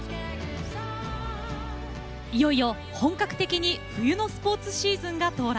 いよいよ本格的に冬のスポーツシーズンが到来。